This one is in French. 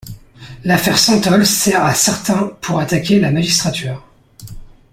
L'affaire Santol sert à certains pour attaquer la magistrature.